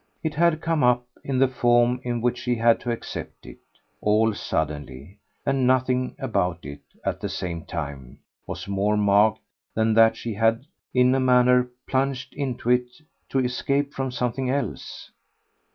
It had come up, in the form in which she had had to accept it, all suddenly, and nothing about it, at the same time, was more marked than that she had in a manner plunged into it to escape from something else.